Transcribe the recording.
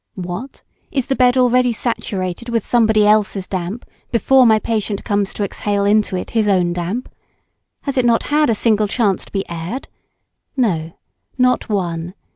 What? is the bed already saturated with somebody else's damp before my patient comes to exhale in it his own damp? Has it not had a single chance to be aired? No, not one.